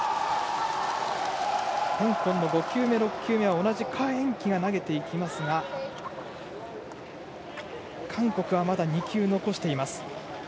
香港の５球目、６球目は同じ何宛淇が投げていきますが韓国はまだ２球残しています。